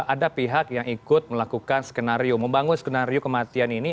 ada pihak yang ikut melakukan skenario membangun skenario kematian ini